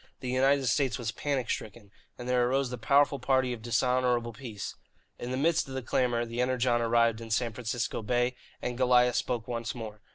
The United States was panic stricken, and there arose the powerful party of dishonourable peace. In the midst of the clamour the Energon arrived in San Francisco Bay and Goliah spoke once more.